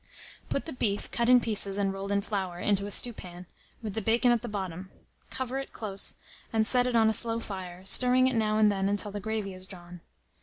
Mode. Put the beef, cut in pieces and rolled in flour, into a stewpan, with the bacon at the bottom; cover it close, and set it on a slow fire, stirring it now and then till the gravy is drawn.